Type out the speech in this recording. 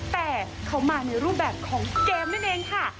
แต่เขามาในรูปแบบของเกมนั่นเองค่ะ